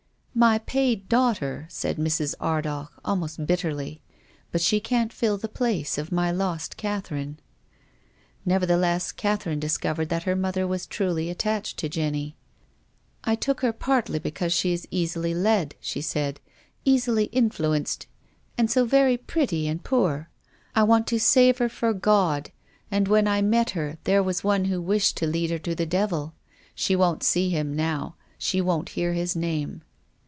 " My paid daughter," said Mrs. Ardagh, almost bitterly, " But she can't fill the place of my lost Catherine." Nevertheless, Catherine discovered that her mother was truly attached to Jenny. " I took her partly because she is easily led," she said, " easily influenced and so very jiretty 130 TONGUES OF CONSCIENCE. and poor. I want to save her for God, and when I met her there was one who wished to lead her to the devil. She won't see him now. She won't hear his name."